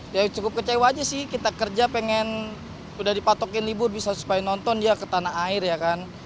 ya cukup kecewa aja sih kita kerja pengen udah dipatokin libur bisa supaya nonton dia ke tanah air ya kan